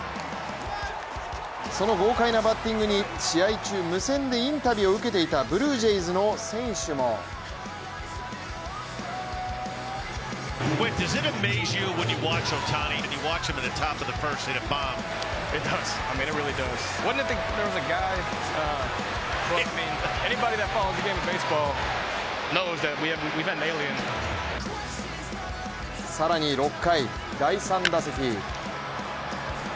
その豪快なバッティングに試合中無線でインタビューを受けていたブルージェイズの選手も更に６回、第３打席。